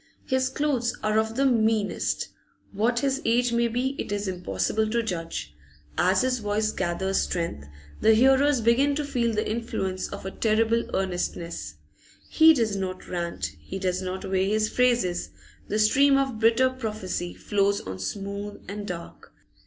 His clothes are of the meanest; what his age may be it is impossible to judge. As his voice gathers strength, the hearers begin to feel the influence of a terrible earnestness. He does not rant, he does not weigh his phrases; the stream of bitter prophecy flows on smooth and dark.